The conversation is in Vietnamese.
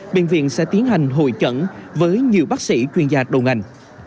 bệnh viện sẽ tiến hành hội chẩn với nhiều bác sĩ chuyên gia đồng ảnh